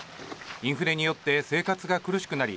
インフレによって生活が苦しくなり